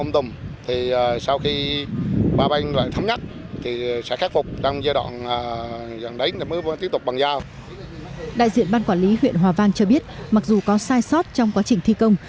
đại diện ban quản lý huyện hòa vang cho biết mặc dù có sai sót trong quá trình thi công